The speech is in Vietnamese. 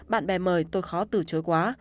bạn bè mời tôi khó từ chối quá